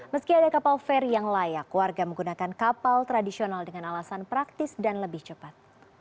meski ada kapal feri yang layak warga menggunakan kapal tradisional dengan alasan praktis dan lebih cepat